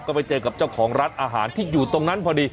ก็ไปเจอกับเจ้าของร้านอาหารที่อยู่ตรงนั้นพอดี